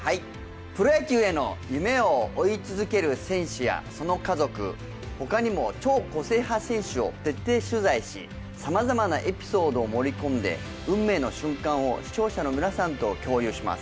プロ野球への夢を追い続ける選手やその家族、他にも超個性派選手を徹底取材しさまざまなエピソードを盛り込んで運命の瞬間を視聴者の皆さんと共有します。